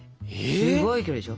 すごい距離でしょ。